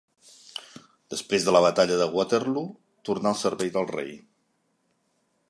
Després de la batalla de Waterloo, tornà al servei del rei.